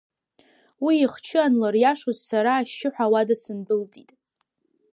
Уи ихчы анлыриашоз сара ашьшьыҳәа ауада сындәылҵит.